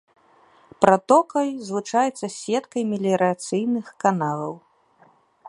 Пратокай злучаецца з сеткай меліярацыйных каналаў.